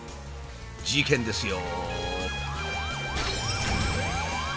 事件ですよ。